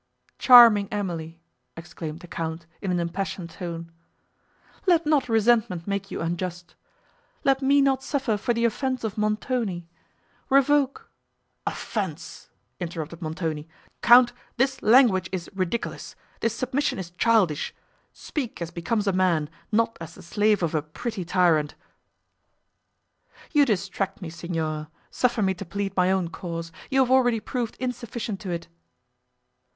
"Charming Emily!" exclaimed the Count in an impassioned tone, "let not resentment make you unjust; let me not suffer for the offence of Montoni!—Revoke—" "Offence!" interrupted Montoni—"Count, this language is ridiculous, this submission is childish!—speak as becomes a man, not as the slave of a pretty tyrant." "You distract me, Signor; suffer me to plead my own cause; you have already proved insufficient to it."